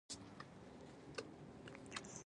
زه فکر کوم چې دا د لوبو لپاره یوه ښه ورځ ده